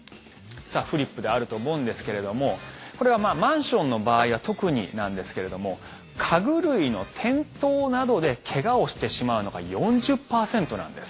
フリップであると思うんですけどこれは、マンションの場合は特になんですけれども家具類の転倒などで怪我をしてしまうのが４０％なんです。